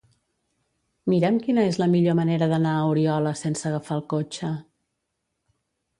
Mira'm quina és la millor manera d'anar a Oriola sense agafar el cotxe.